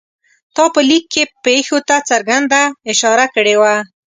تا په لیک کې پېښو ته څرګنده اشاره کړې وه.